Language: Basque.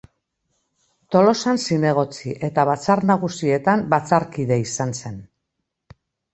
Tolosan zinegotzi eta Batzar Nagusietan batzarkide izan zen.